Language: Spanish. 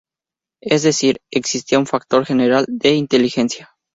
Es decir, existía un factor general de inteligencia.